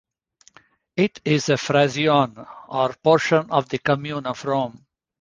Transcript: It is a frazione, or portion of the commune of Rome.